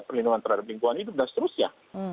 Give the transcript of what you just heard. perlindungan terhadap lingkungan hidup dan seterusnya